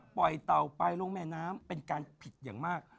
เต่าไปลงแม่น้ำเป็นการผิดอย่างมาก